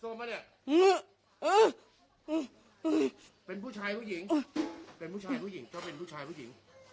เออเป็นผู้ชายผู้หญิงเป็นผู้ชายผู้หญิงก็เป็นผู้ชายผู้หญิง